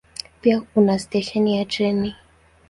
Pia una stesheni ya treni.